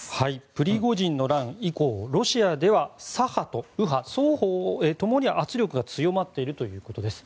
プリゴジンの乱以降ロシアでは左派と右派、双方ともに圧力が強まっているということです。